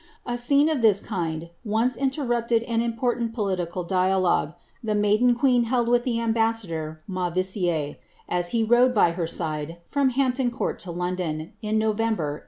A scene of this kind once interrupied an importai political dialogue, the maiden queen held with the ambassador Mauri sierc, as he rode by her side, from Hampton Court lo London, in Ni vember.